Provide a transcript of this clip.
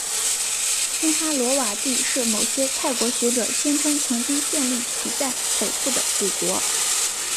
辛哈罗瓦帝是某些泰国学者宣称曾经建立在其北部的古国。